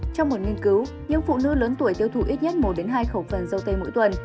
trong một nghiên cứu những phụ nữ lớn tuổi tiêu thụ ít nhất một hai khẩu phần dâu tê mỗi tuần